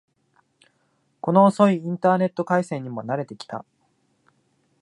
この遅いインターネット回線にも慣れてきた